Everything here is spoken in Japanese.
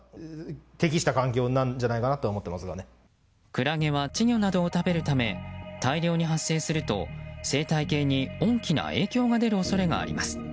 クラゲは稚魚などを食べるため大量に発生すると生態系に大きな影響が出る恐れがあります。